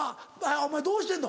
お前どうしてんの？